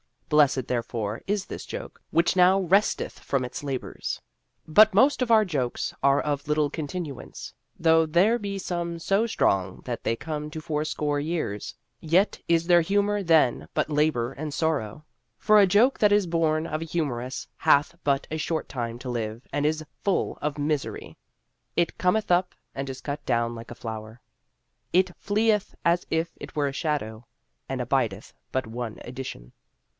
Blessed, therefore, is this joke, which now resteth from its labors. But most of our jokes are of little continuance: though there be some so strong that they come to fourscore years, yet is their humor then but labor and sorrow: For a joke that is born of a humorist hath but a short time to live and is full of misery. It cometh up and is cut down like a flower. It fleeth as if it were a shadow and abideth but one edition.